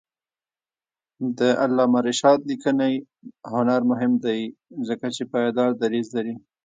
د علامه رشاد لیکنی هنر مهم دی ځکه چې پایدار دریځ لري.